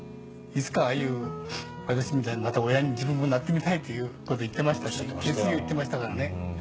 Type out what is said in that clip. いつかああいう私みたいなまた親に自分もなってみたいということを言ってましたし決意を言ってましたからね。